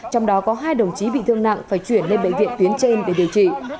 trong đó có hai đồng chí bị thương nặng phải chuyển lên bệnh viện tuyến trên để điều trị